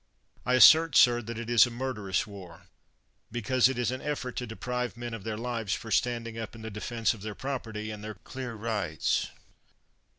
I assert, sir, that it is a murderous war, be cause it is an effort to deprive men of their lives for standing up in the defense of their property and their clear rights.